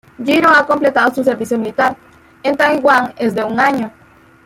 Jiro ha completado su servicio militar, en Taiwán es de un año.